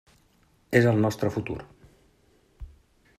És el nostre futur.